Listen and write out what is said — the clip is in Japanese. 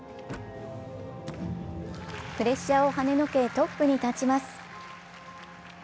プレッシャーをはねのけ、トップに立ちます。